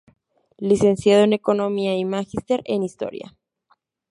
Licenciado en Economía y Magíster en Historia.